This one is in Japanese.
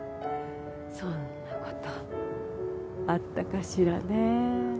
そんな事あったかしらね。